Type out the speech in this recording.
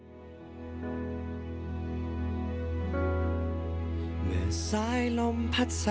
มีต่อประสบกันที่ก่อนทั่วทั้งแผ่นดินค่ะ